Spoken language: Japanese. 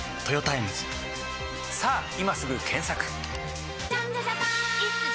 さぁ今すぐ検索！